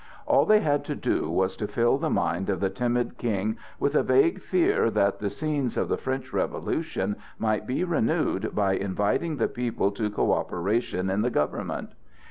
All they had to do was to fill the mind of the timid King with a vague fear that the scenes of the French Revolution might be renewed by inviting the people to coöperation in the government.